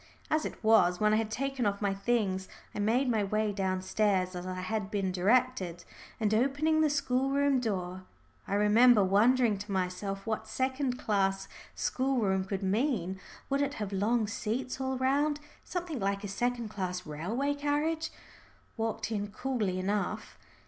As it was, when I had taken off my things I made my way downstairs as I had been directed, and opening the schoolroom door I remember wondering to myself what second class schoolroom could mean: would it have long seats all round, something like a second class railway carriage? walked in coolly enough.